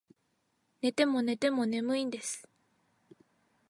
寝ても寝ても眠いんです